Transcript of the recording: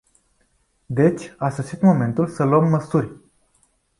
Deci, a sosit momentul să luăm măsuri.